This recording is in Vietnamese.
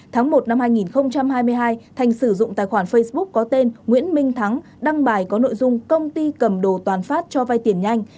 tháng một năm hai nghìn hai mươi hai thành sử dụng tài khoản facebook có tên nguyễn minh thắng đăng bài có nội dung công ty cầm đồ toàn phát cho vai tiền nhanh